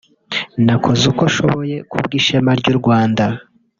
nakoze uko nshoboye ku bw’ishema ry’u Rwanda